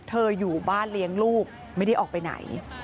อยู่บ้านเลี้ยงลูกไม่ได้ออกไปไหน